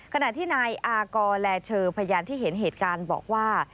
ขณะที่นายอากรแลเชอร์พยานที่เห็นเหตุการณ์บอกว่า